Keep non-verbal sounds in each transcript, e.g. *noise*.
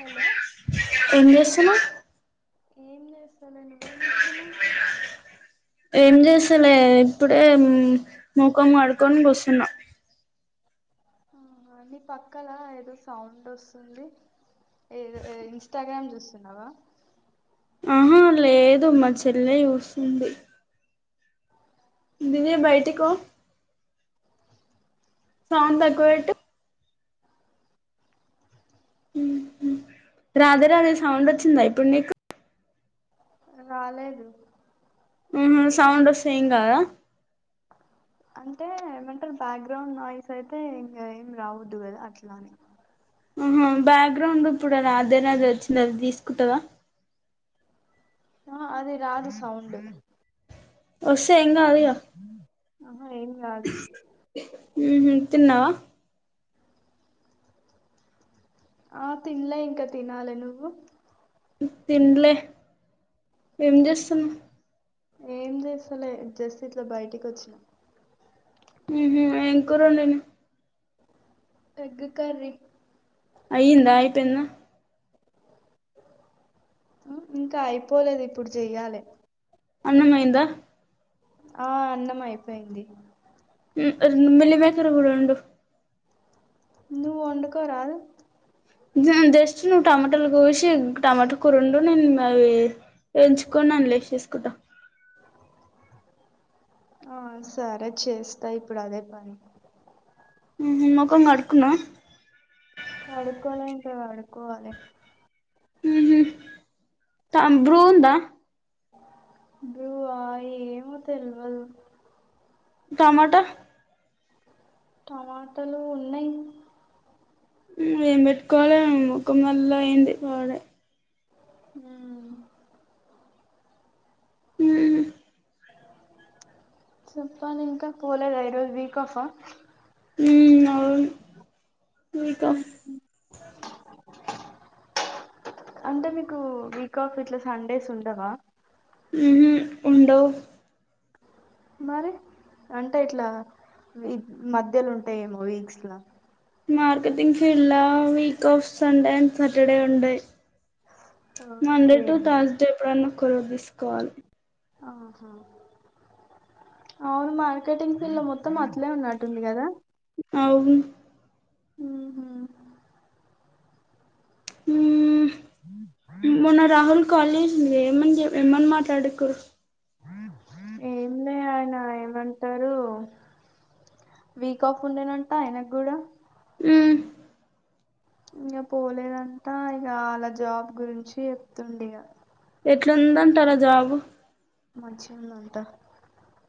hello ఏం జెస్తున్నావ్ ఏం చేస్తాలె నువ్వేం చేస్తున్నావ్ ఏం జెసలే ఇప్పుడే ముఖం కడుకుని కూసున్న ఆ నీ పక్కల ఏదో సౌండ్ వస్తుంది ఏ ఎ ఇన్స్టాగ్రామ్ చూస్తున్నావా ఆహా లేదు మా చెల్లె చూసుంది దివ్య బయటికో సౌండ్ తక్కువెట్టు రాధే రాధే సౌండ్ వచ్చిందా ఇప్పుడు నీకు రాలేేదు ఉహు సౌండ్ వస్తే ఎం కాదా అంటే ఏమంటరు బ్యాక్గ్రౌండ్ నాయిస్ అయితే ఇంగ ఏమి రావద్దు కదా అట్లని ఆహ బ్యాక్గ్రౌండ్ ఇప్పుడు నా రాధే రాధే వచ్చింది అది తీసుకుంటదా ఆ అది రాదు సౌండ్ వస్తే ఏం కాదు ఇగ ఆహ ఏం కాదు తిన్నావ ఆ తిన్లే ఇంక తినాలి నువ్వు తిన్లే ఏం చేస్తున్నావ్ ఏం చేస్తలే జస్ట్ ఇట్లా బయటికి వచ్చా హు హు ఎం కూర ఉండినావ్ ఎగ్ కర్రీ అయ్యిందా అయిపోయిందా ఇంకా అయిపోలేదు ఇప్పుడు చెయ్యాలి అన్నమైంద ఆ అన్నం అయిపోయింది మిల్లి మేకర్ కూడ ఒండు నువ్వు ఒండుకొరా జస్ట్ నువ్వు టమాటోలు కోసి టమాటో కురోండు నేను ఇంగ అవి ఎంచుకోని అందులో వేసేసుకుంట ఆ సరే చేస్తా ఇప్పుడు అదే పని మొకం కడుకున్నవ కడుక్కోలే ఇంకా కడుక్కోవాలి బ్రు వుంద బ్రు ఆ ఏమో తెల్వదు టమాటో టమాటలు ఉన్నాయి ఏం పెట్టుకోవాలి ముఖం *unintelligible* అయింది వాడ హు హు చెప్పాలి ఇంక పోలేద ఐరోజు వీక్ ఆఫా మ్మ్ అవును వీక్ ఆఫ్ *inaudible* అంటే మీకు వీక్ ఆఫ్ ఇట్ల సండేస్ ఉండవా హు హు వుండవ్ మరి అంటే ఇట్ల మధ్యలో ఉంటాయేమో వీక్స్ల మార్కెటింగ్ ఫీల్డ్ ల week off Sunday and Saturday ఉంటాయి మండే ఓకే టు థర్స్డే ఎప్పుడన్నా కుర తీసుకోవాలి ఆహా అవును మార్కెటింగ్ ఫీల్డ్ లో మొత్తం అట్లే ఉన్నట్టుంది కదా అవును హు హు మన్న రాహుల్ *unintelligible* *unintelligible* ఏమన్ మాట్లాడుకో ఏమిలే ఆయన ఏమంటడు వీక్ ఆఫ్ ఉండేనంట ఆయనకు కూడా హు ఇంకా పోలేదంట ఇక అలా జాబ్ గురించి చెప్తుండు ఇగ ఎట్లుదంటారా జబు మంచి ఉన్నంత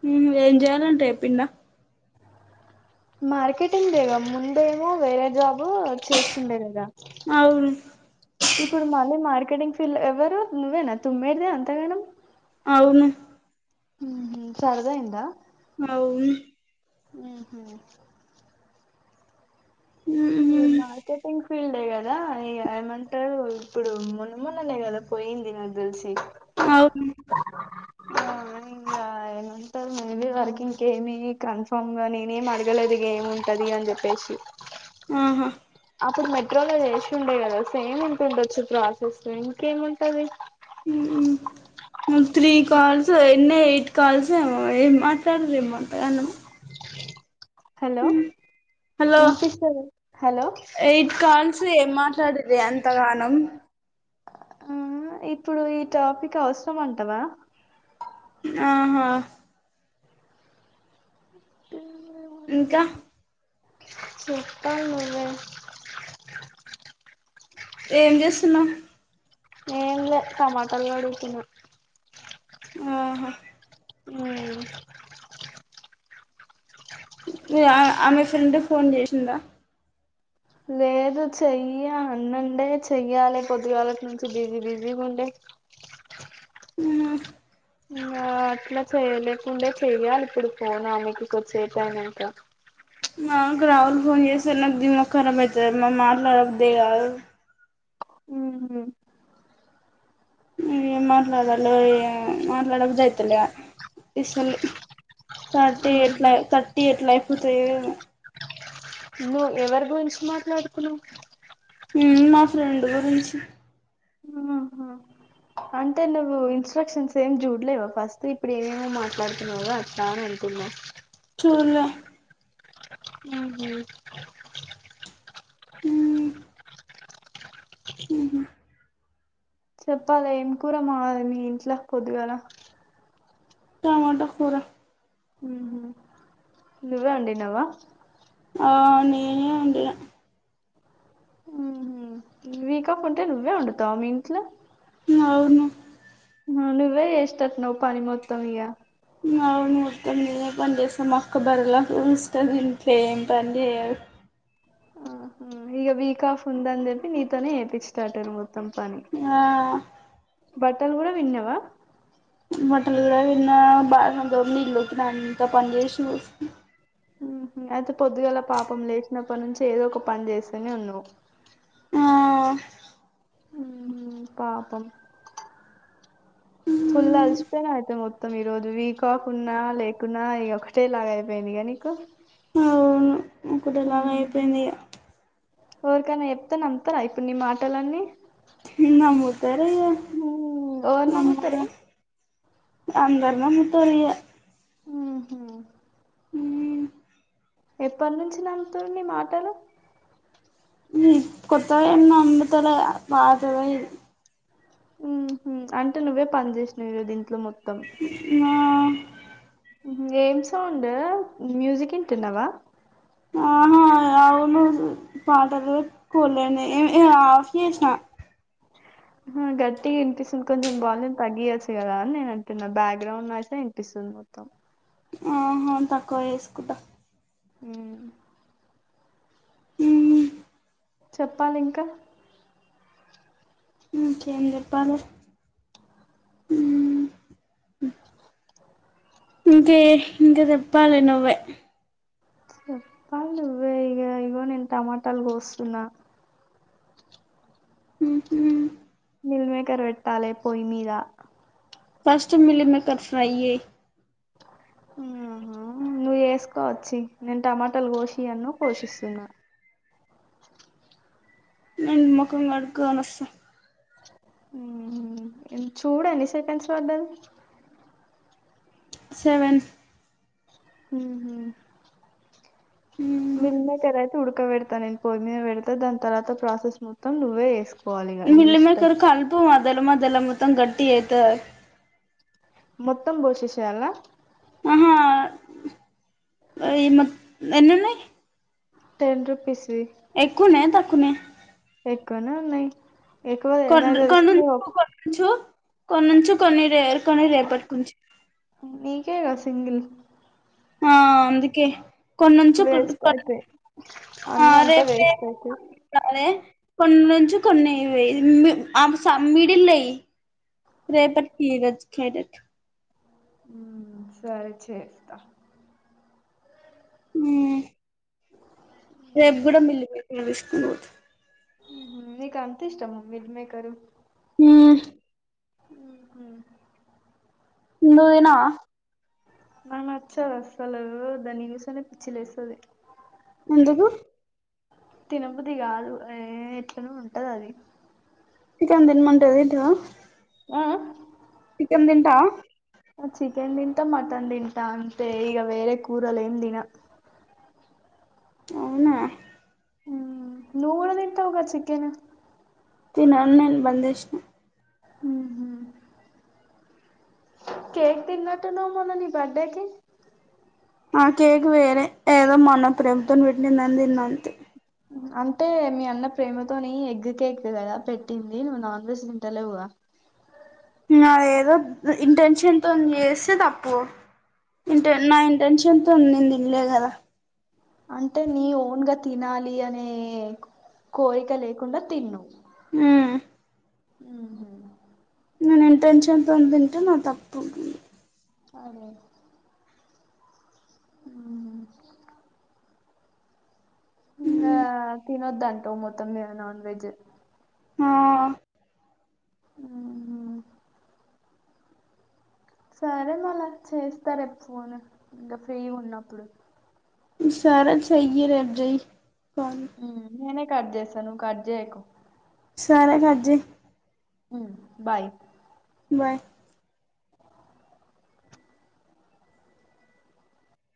హ్మ్ ఏం చేయాలంటే రేపిల్ల మార్కెటింగ్ లేేద ముందేమో వేరే జాబు చేస్తుండే కదా అవును ఇప్పుడు మళ్ళీ మార్కెటింగ్ ఫీల్డ్ ఎవరు నువ్వేనా తుమ్మేదిదే అంతగనం అవును ఉమ్ సరిది అయిందా అవును ఆహ ఉహూ మార్కెటింగ్ ఫీల్డే కదా ఇ ఏమంటారు ఇప్పుడు మొన్న మొన్న మొన్ననే కదా పోయింది దల్ సి అవును ఆ ఇంకా ఏను ఉంట మీ వాళ్కి ఇంకేమి కన్ఫామ్ గా నేనేమి అడగలేదు ఇక ఏమింటది అని చెప్పేసి ఆహా అప్పుడు మెట్రోలో చేసి ఉండే కదా సేమ్ ఉంటుండొచ్చు ప్రాసెస్ ఇంకేముంటది ఉహూ మేం త్రీ కాల్స్ అన్ని ఎయిట్ కాల్స్ ఏమో ఏం మాట్లాడదు ఏం మాట్లాడన్నా హలో హలో ఇనిపిస్తలేదు ఎయిట్ కాల్స్ ఏం మాట్లాడేదే ఎంతగానం ఆ ఇప్పుడు ఈ టాపిక్ అవసరంమంటావా ఆహా అ ఇంకా చెప్పాల్ నువ్వే ఏం చేస్తున్నావ్ ఏం లేదు టమాటాలు కడుగుతున్న ఆహా ఉ *unintelligible* ఆ ఆమె ఫ్రెండ్ ఫోన్ చేసిందా లేదు చెయ్య అన్నండే చెయ్యాలి పొద్దుగాలట్ నుంచి బిజీ బిజీగా ఉండే *inaudible* ఉ ఇంగ అట్లా చేయలేకుండే చెయ్యాలే ఇప్పుడు పోన్ ఆమెకికి కొద్దిసేపు అయినంక మాకు రాహుల్ ఫోన్ చేస్తాడు నాకు దిమాక్ కరాబ్ అయితది నాకు మాట్లాడ బుద్దే కాదు ఉహు ఏం మాట్లాడాలో ఏమో మాట్లాడ బుద్ధి అయితలేదు అసలు థర్టీ ఎట్లా ఉహు థర్టీ ఎట్ల అయిపోతాయో ఏమో ను్ ఎవరి గురించి మాట్లాడుకున్నా్ ఉమ్ మా ఫ్రెండ్ గురించి ఆహా అంటే నువ్వు ఇన్స్ట్రక్షన్స్ ఏమి చూడలేవా ఫస్ట్ ఇప్పుడు ఏమేమో మాట్లాడుతున్నావో అట్లా అని అనుకున్నావు సూడలే ఉహు హ్మ్ ఉహు చెప్పాలే ఏం కూర మావాలి నీ ఇంట్లా పొద్దుగాల టమాటా కూర నువ్వే ఒండినవా ఆ నేనే ఒండినా మ్మ్ హూ వీక్ ఆఫ్ ఉంటే నువ్వే ఒండుతవా మీ ఇంట్లో అవును నువ్వే చేసెటట్టు ఉన్నవ్ పని మొత్తం ఇగా అవును మొత్తం నేనే పని చేస్తా మా అక్క బర్రె లెక్క కుసుంటది ఇంట్లో ఏం పని చేయదు ఆహా ఇగ వీక్ ఆఫ్ ఉందని చెప్పి నీతోనే చేపిచ్చెటటున్నరు మొత్తం పని ఆ బట్టలు కూడా పిండిన్నవా బట్టలు కూడా పిండిన బాసినలు తోమి ఇల్లు ఊకిన అంతా పని చేసి కూసున్నా అయితే పొద్దుగాల పాపం లేచినప్పటి నుంచి ఏదో ఒక పని చేస్తనే ఉన్నవ్ ఆ హ్మ్ పాపం ఫుల్ అలిసిపోయినవ్ అయితే మొత్తం ఈరోజ వీక్ ఆఫ్ ఉన్నా లేకున్నా ఇగ ఒకటే లాగ అయిపోయింది కదా నీకు అవును ఒక్కటే లాగా అయిపోయింది ఇగ ఒవరికనా చెప్తే నమ్ముతరా ఇప్పుడు నీ మాటలన్నీ నమ్ముతరిగా ఉహు ఎవరు నమ్ముతారే అందరు నమ్ముతరిగా మ్మ్ హూ ఎప్పటి నుంచి నమ్ముతరు నీ మాటలు హ్మ్ కొత్తవేం నమ్ముతలే పాతవే ఇవి మ్ హూ అంటే నువ్వే పని చేసినవ్ ఈ రోజు ఇంట్లో మొత్ మ్యా ఏం సౌండు మ్యూజిక్ ఇంటున్నావా అవును అవును పాటలు పెటుకోలే నైమే ఏ ఆఫ్ చేసినా అ గట్టిగా ఇనిపిస్తుంది కొంచెం వాల్యూమ్ తగ్గియొచ్చు కదా అని నేను అంటున్నా బ్యాక్గ్రౌండ్ నాయిసే వినిపిస్తుంది మొత్తం ఆహా తక్కువ చేసుకుటా మ్మ్ మ్ చెప్పాలింకా ఇంకేం చెప్పాలే ఇంకే ఇంకా చెప్పాల నువ్వే చెప్పాలి నువ్వే ఇగ ఇగో నేను టమాటాలు కోస్తున్నా మిల్మేకర్ పెట్టాలే పోయి మీదా ఫస్ట్ మిలీమేకర్ ఫ్రై చేయ్ ఆహా నువు చేసుకోవచ్చి నేను టమాటాలు కోషి అన్నవ్ కోషిస్తున్నా నేన్ మొఖం కడుకోనొస్తా హ్మ్ చూడు ఎన్ని సెకండ్స్ పడ్దది సెవెన్ మ్మ్ హూ *unintelligible* ఉుడక పెడతా నేను పొయ్యి మీద పెడతా దాని తర్వాత ప్రాసెస్ మొత్తం నువ్వే వేసుకో మీల్ మేకర్ కలుపు మధ్యలో మధ్యలో మొత్తం గట్టిగా అయితది మొత్తం పోసేసి ఏయల ఆహా ఈ మ ఎన్నున్నాయి టెన్ రుపీస్ ఎక్కువున్నాయా తక్కువున్నాయా ఎక్కువనే ఉన్నాయి ఎక్కువ కొన్ని నాకు తెలిసి కొన్నించ నీ ఒక్- కొన్నించు కొన్నించు కొన్ని రే కొన్ని రేపటికి ఉంచు నీకే గా సింగిల్ ఆ అందుకే కొన్నించు వేస్ట్ అయితాయి అన్ని అంతా రేపు వేస్ట్ అయితాయి రే కొన్నించు కొన్ని *unintelligible* మిడిల్ లో వెయ్యి రేపట్కి *unintelligible* సరే చేస్తా ఉ రేపు కూడా మిల్లి *unintelligible* తీసుకున్నా నీకు అంత ఇష్టమా మీల్ మేకరూ హు ఉహు నునా నాకు నచ్చదు అసలు దాన్ని చూస్తేనే పిచ్చి లేస్తాది ఎందుకు తినబుద్ధి కాదు ఏ ఎట్లనో ఉంటది అది చికెన్ తినమంటే తింటావా ఆ చికెన్ తింటావా చికెన్ తింటా మటన్ తింటా అంతే ఇగ వేరే కూరలు ఏమి తిన అవునా నువ్వు కూడా తింటావ్గా చికెన్ తినను నేను బంద్ చేసినా హుహు కేక్ తిన్నటున్నావ్ మొన్న నీ బర్త్డేకి ఆ కేక్ వేరే ఏదో మా అన్న ప్రేమతో పెట్టిండని తిన్న అంతే అంటే మీ అన్న ప్రేమతోని ఎగ్ కేక్ కదా పెట్టింది నువ్వు నాన్ వెజ్ తింటలేవుగా *inaudible* నా ఏదో ఇంటెన్షన్ తోనీ చేస్తే తప్పు ఇంట నా ఇంటెన్షన్ తోనే నేను తినలేదు కదా అంటే నీ ఓన్గా తినాలి అనే కోరిక లేకుండా తిన్నావ్ హు ఉహు నేను ఇంటెన్షన్ తో తింటే నా తప్పు ఉంటుంది అదే హు ఇంకా తినొద్దంటావ్ మొత్తం మీద నాన్ వెజ్ ఆ ఆమ్ సరే మళ్ళా చేస్తా రేపు ఫోను ఇంకా ఫ్రీ ఉన్నప్పుడు సరే చేయి రెపు చేయి నేనే కట్ చేస్తా నువ్వు కట్ చేయ్యకు సరే కట్ చేయి ఉమ్ బాయ్ బాయ్